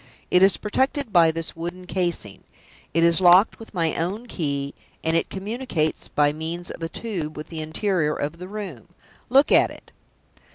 It is protected by this wooden casing; it is locked with my own key; and it communicates by means of a tube with the interior of the room. Look at it!"